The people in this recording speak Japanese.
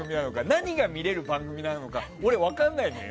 何が見れる番組なのか俺、分からないのよ。